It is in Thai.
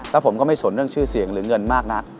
แล้วผมก็ไม่สนเรื่องชื่อเสียงหรือเงินมากนัก